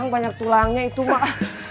banyak tulangnya itu mak